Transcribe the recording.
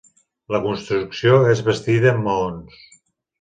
La construcció és bastida amb maons.